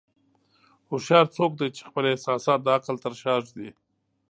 هوښیار څوک دی چې خپل احساسات د عقل تر شا ږدي.